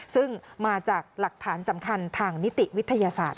ซึ่งมาจากหลักฐานสำคัญทางนิติวิทยาศาสตร์